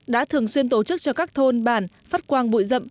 đã thường xuyên tổ chức cho các thôn bản phát quang bụi rậm